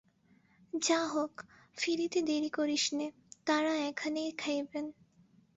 যা হোক, ফিরিতে দেরি করিস নে, তাঁরা এখানেই খাইবেন।